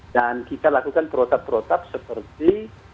dan kita lakukan protap protap seperti